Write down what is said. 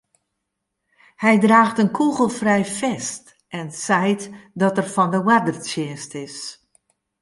Hy draacht in kûgelfrij fest en seit dat er fan de oardertsjinst is.